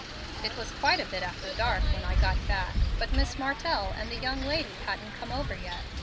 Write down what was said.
"It was quite a bit after dark when I got back, but Mr. Martell and the young lady hadn't come over yet.